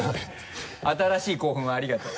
新しい興奮をありがとう。